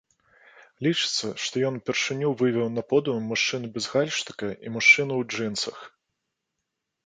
Лічыцца, што ён упершыню вывеў на подыум мужчыну без гальштука і мужчыну ў джынсах.